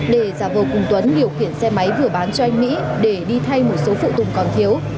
để ra vô cùng tuấn điều kiện xe máy vừa bán cho anh mỹ để đi thay một số phụ tùng còn thiếu